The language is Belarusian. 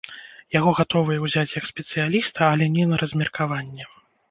Яго гатовыя ўзяць як спецыяліста, але не на размеркаванне.